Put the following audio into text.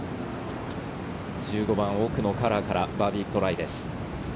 １５番、奥のカラーからバーディートライです。